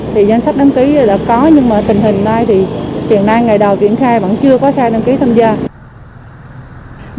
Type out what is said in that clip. thì danh sách đăng ký đã có nhưng mà tình hình nay thì hiện nay ngày đầu triển khai vẫn chưa có xe đăng ký tham gia